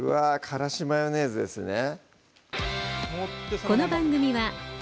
からしマヨネーズですね